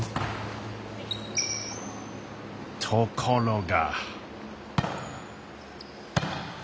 ところが。